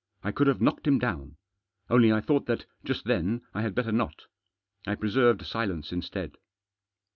I could have knocked him down. Only I thought that, just then, I had better not. I preserved silence instead.